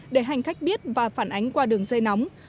để hành khách biết và phản ánh qua đường dây nóng